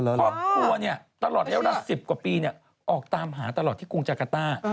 ครอบครัวเนี่ยตลอดแรก๑๐กว่าปีเนี่ยออกตามหาตลอดที่กรุงจากาต้า